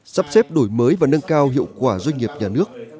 sắp xếp đổi mới và nâng cao hiệu quả doanh nghiệp nhà nước